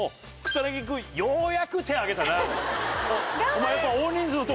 お前やっぱ。